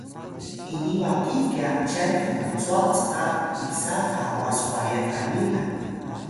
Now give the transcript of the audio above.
ini baqi kya cyan hmcwa cqa pisa kawas wayan qani la